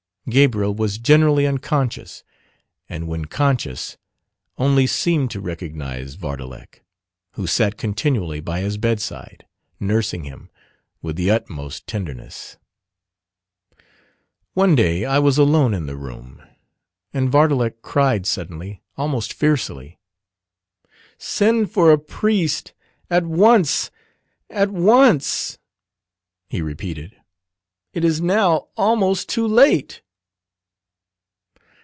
Gabriel was generally unconscious, and when conscious, only seemed to recognize Vardalek, who sat continually by his bedside, nursing him with the utmost tenderness. One day I was alone in the room: and Vardalek cried suddenly, almost fiercely, "Send for a priest at once, at once," he repeated. "It is now almost too late!"